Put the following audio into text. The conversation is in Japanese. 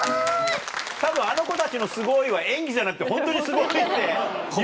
たぶんあの子たちの「すごい！」は演技じゃなくてホントにすごいって。